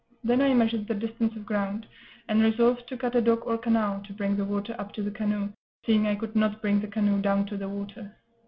Then I measured the distance of ground, and resolved to cut a dock or canal, to bring the water up to the canoe, seeing I could not bring the canoe down to the water.